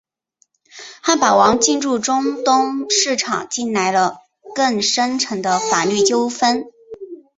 汉堡王进驻中东市场带来了更深层次的法律纠纷。